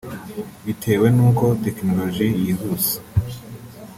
bitewe n’uko tekinoloji yihuse